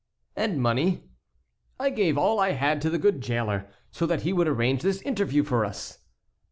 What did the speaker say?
"And money?" "I gave all I had to the good jailer, so that he would arrange this interview for us."